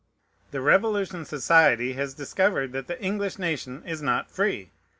The Revolution Society has discovered that the English nation is not free.